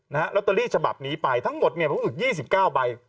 นะฮะลอตเตอรี่ชบับมีไปทั้งหมดเนี่ยก็อีกยี่สิบเก้าใบ